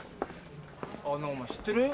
なぁお前知ってる？